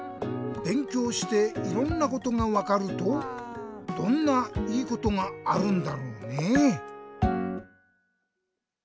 べんきょうしていろんなことがわかるとどんないいことがあるんだろうねぇ？